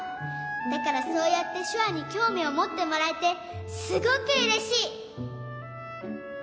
だからそうやってしゅわにきょうみをもってもらえてすごくうれしい！